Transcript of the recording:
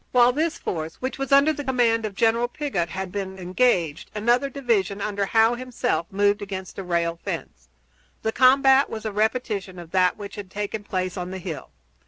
While this force, which was under the command of General Pigott, had been engaged, another division under Howe himself moved against the rail fence. The combat was a repetition of that which had taken place on the hill.